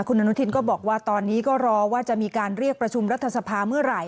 คุณอนุทินก็บอกว่าตอนนี้ก็รอว่าจะมีการเรียกประชุมรัฐสภาเมื่อไหร่